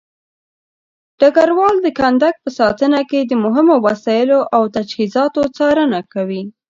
ډګروال د کندک په ساتنه کې د مهمو وسایلو او تجهيزاتو څارنه کوي.